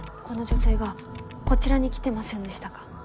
この女性がこちらに来てませんでしたか？